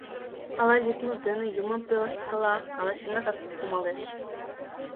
Ала лӱдмыж дене Юмым пелешткала, ала чынакак кумалеш.